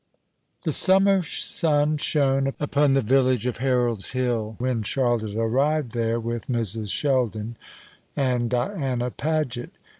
The summer sun shone upon the village of Harold's Hill when Charlotte arrived there with Mrs. Sheldon and Diana Paget.